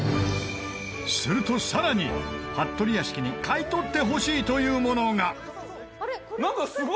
するとさらに服部屋敷に買い取ってほしいというものが。